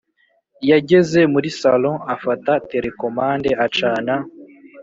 yageze muri sallon afata terekomande acana